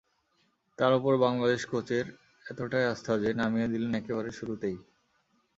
তাঁর ওপর বাংলাদেশ কোচের এতটাই আস্থা যে, নামিয়ে দিলেন একেবারে শুরুতেই।